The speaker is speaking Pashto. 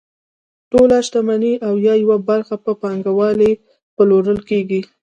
ټوله شتمني او یا یوه برخه په پانګوالو پلورل کیږي.